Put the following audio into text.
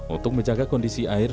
untuk menjaga kondisi air